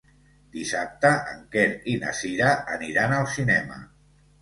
Dissabte en Quer i na Cira aniran al cinema.